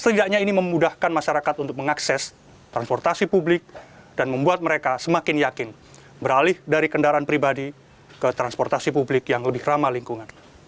setidaknya ini memudahkan masyarakat untuk mengakses transportasi publik dan membuat mereka semakin yakin beralih dari kendaraan pribadi ke transportasi publik yang lebih ramah lingkungan